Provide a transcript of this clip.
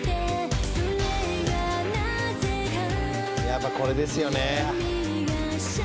やっぱこれですよね。